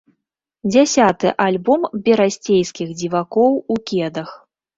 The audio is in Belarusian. Дзясяты альбом берасцейскіх дзівакоў у кедах.